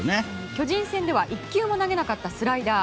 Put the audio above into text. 巨人戦では１球も投げなかったスライダー。